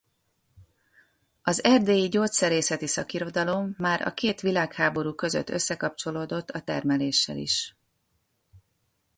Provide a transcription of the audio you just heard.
Az erdélyi gyógyszerészeti szakirodalom már a két világháború között összekapcsolódott a termeléssel is.